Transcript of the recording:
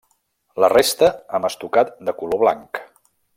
La resta amb estucat de color blanc.